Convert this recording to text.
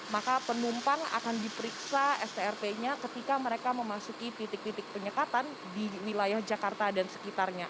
maka penumpang akan diperiksa strp nya ketika mereka memasuki titik titik penyekatan di wilayah jakarta dan sekitarnya